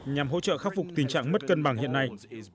nhằm hỗ trợ khắc phục tình trạng mất cân bằng hiện nay